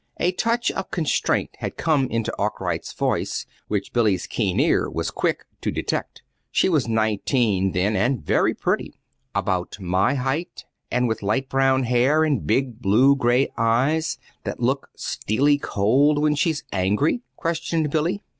A touch of constraint had come into Arkwright's voice which Billy's keen ear was quick to detect. "She was nineteen then and very pretty." "About my height, and with light brown hair and big blue gray eyes that look steely cold when she's angry?" questioned Billy.